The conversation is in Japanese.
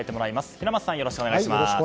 平松さん、よろしくお願いします。